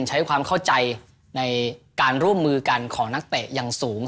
ใช้ความเข้าใจในการร่วมมือกันของนักเตะอย่างสูง